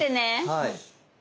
はい。